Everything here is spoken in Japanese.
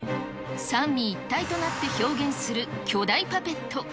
三位一体となって表現する巨大パペット。